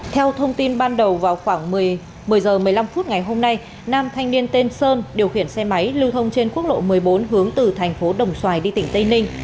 theo thông tin ban đầu vào khoảng một mươi h một mươi năm phút ngày hôm nay nam thanh niên tên sơn điều khiển xe máy lưu thông trên quốc lộ một mươi bốn hướng từ thành phố đồng xoài đi tỉnh tây ninh